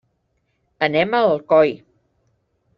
Anem a Alcoi.